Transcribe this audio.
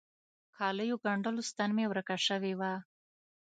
کاليو ګنډلو ستن مي ورکه سوي وه.